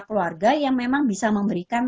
keluarga yang memang bisa memberikan